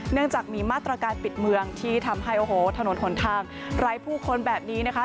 เนื่องจากมีมาตรการปิดเมืองที่ทำให้โอ้โหถนนหนทางไร้ผู้คนแบบนี้นะคะ